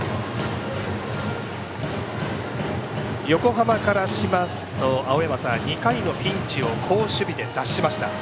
横浜からしますと２回のピンチを好守備で脱しました。